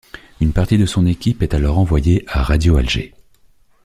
Une partie de son équipe est alors envoyée à Radio-Alger.